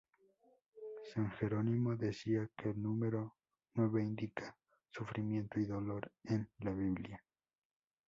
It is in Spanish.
San Jerónimo decía que el número nueve indica sufrimiento y dolor en la Biblia.